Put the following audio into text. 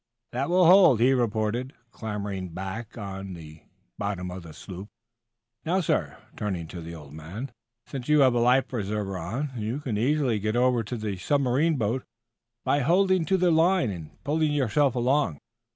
"That will hold," he reported, clambering back on to the bottom of the sloop. "Now, sir," turning to the older man, "since you have a life preserver on, you can easily get over to the submarine boat by holding to the line and pulling yourself along."